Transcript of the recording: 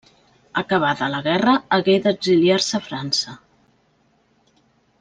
Acabada la guerra, hagué d'exiliar-se a França.